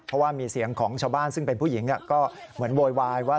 เพราะว่ามีเสียงของชาวบ้านซึ่งเป็นผู้หญิงก็เหมือนโวยวายว่า